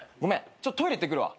ちょっとトイレ行ってくるわ。